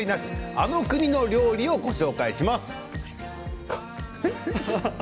あの国の料理を、ご紹介します。